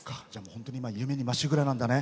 本当に夢にまっしぐらなんだね。